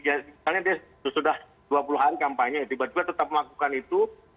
misalnya dia sudah dua puluh hari kampanye tiba tiba tetap melakukan itu